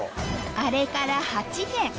あれから８年